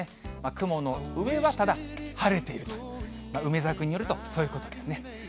雲の上はただ、晴れていると、梅澤君によるとそういうことですね。